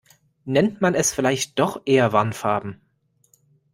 Nennt man es vielleicht doch eher Warnfarben.